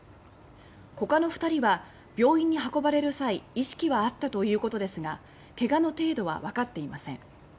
ほかの２人は病院に運ばれる際意識はあったということですが怪我の程度は分かっていません。